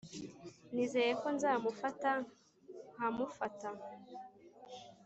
nizeye ko nzamufata nkamufata.